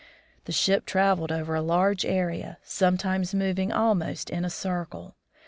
The ship traveled over a large area, sometimes moving almost in a circle.